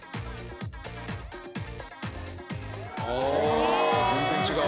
「ああ全然違う」